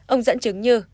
ông dẫn chứng như